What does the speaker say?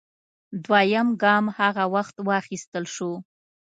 دویم ګام هغه وخت واخیستل شو